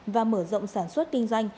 và mở rộng sản xuất kinh doanh